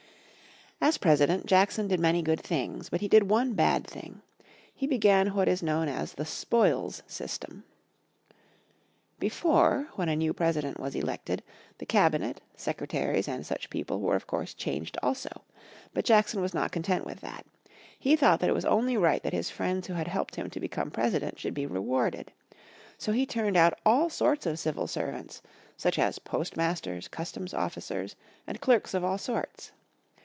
As President, Jackson did many good things. But he did one bad thing. He began what is known as the "spoils system." Before, when a new President was elected, the Cabinet, secretaries and such people were of course changed also. But Jackson was not content with that. He thought that it was only right that his friends who had helped him to become President should be rewarded. So he turned out all sorts of civil servants, such as post masters, customs officers, and clerks of all sorts.